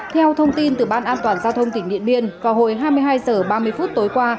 theo thông tin từ ban an toàn giao thông tỉnh điện biên vào hồi hai mươi hai h ba mươi phút tối qua